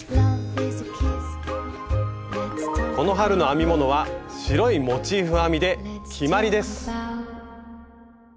この春の編み物は白いモチーフ編みで決まりです！